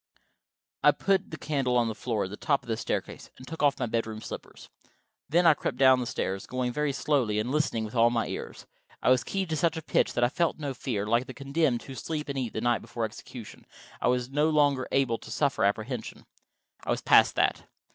I put the candle on the floor at the top of the staircase and took off my bedroom slippers. Then I crept down the stairs, going very slowly, and listening with all my ears. I was keyed to such a pitch that I felt no fear: like the condemned who sleep and eat the night before execution, I was no longer able to suffer apprehension. I was past that.